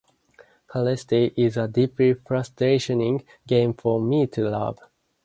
Celeste is a deeply frustrating game for me to love.